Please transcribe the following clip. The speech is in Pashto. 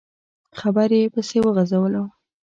خبره يې پسې وغځوله.